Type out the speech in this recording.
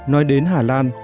nói đến hà lan